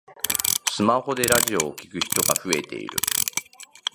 スマホでラジオを聞く人が増えている